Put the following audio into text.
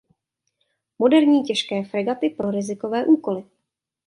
Moderní těžké fregaty pro rizikové úkoly.